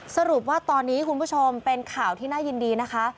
สรุปว่าตอนนี้คุณผู้ชมเป็นข่าวที่น่ายินดีนะคะ